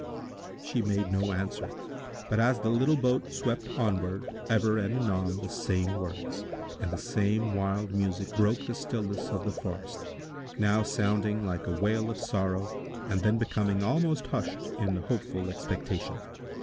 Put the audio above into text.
She made no answer, but, as the little boat swept onward, ever and anon the same words, and the same wild music broke the stillness of the forest, now sounding like a wail of sorrow, and then becoming almost hushed in hopeful expectation.